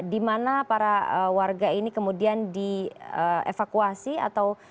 di mana para warga ini kemudian dievakuasi atau